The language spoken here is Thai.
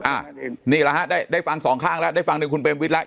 อ่านี่แหละฮะได้ได้ฟังสองข้างแล้วได้ฟังหนึ่งคุณเปรมวิทย์แล้ว